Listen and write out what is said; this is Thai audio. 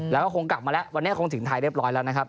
แล้วก็คงกลับมาแล้ววันนี้คงถึงไทยเรียบร้อยแล้วนะครับ